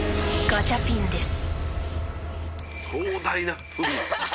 ガチャピンです。